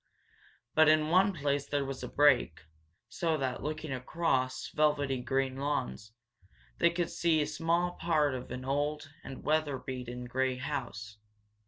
But in one place there was a break, so that, looking across velvety green lawns, they could see a small part of an old and weatherbeaten grey house.